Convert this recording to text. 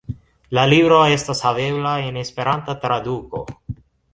La libro estas havebla en esperanta traduko.